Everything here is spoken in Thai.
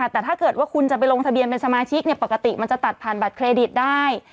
แต่ถ้าเกิดว่าคุณจะไปลงทะเบียนเป็นสมาชิกปกติมันจะตัดผ่านบัตรเครดิตได้